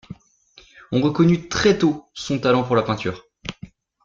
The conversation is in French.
On reconnut très tôt son talent pour la peinture.